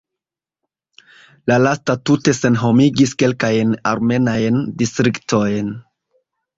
La lasta tute senhomigis kelkajn armenajn distriktojn.